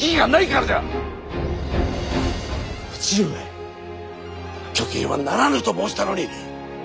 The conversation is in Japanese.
だから挙兵はならぬと申したのに！